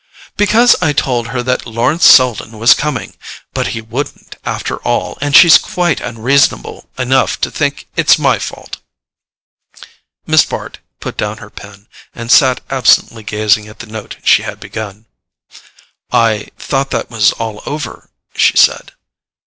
"Because I told her that Lawrence Selden was coming; but he wouldn't, after all, and she's quite unreasonable enough to think it's my fault." Miss Bart put down her pen and sat absently gazing at the note she had begun. "I thought that was all over," she said.